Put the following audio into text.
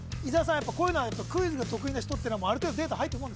やっぱこういうのはクイズの得意な人ってのはある程度データ入ってるもん？